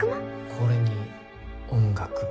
これに音楽を？